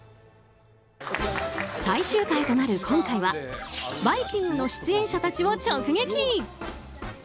最終回となる今回は「バイキング」の出演者たちを直撃。